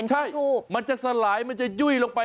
ใช่มันจะสลายมันจะยุ่ยลงไป